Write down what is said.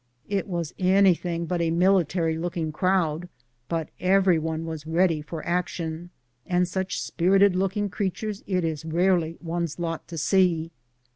It was any thing but a military looking crowd, but every one was ready for action, and such spirited looking creatures it is rarely one's lot to see.